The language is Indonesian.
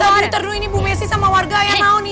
terduh terduh ini bu messi sama warga ayah naon